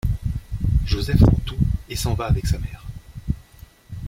Joseph rend tout et s'en va avec sa mère.